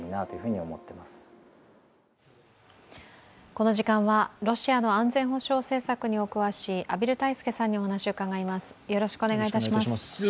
この時間はロシアの安全保障政策にお詳しい畔蒜泰助さんにお話を伺います。